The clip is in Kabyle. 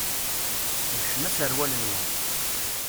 Tbeccem aserwal-nwen.